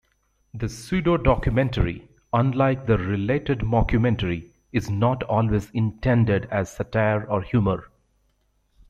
The pseudo-documentary, unlike the related mockumentary, is not always intended as satire or humor.